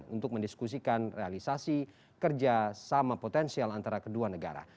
untuk mendiskusikan realisasi kerja sama potensial antara kedua negara